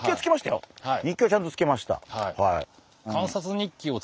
日記はちゃんとつけました。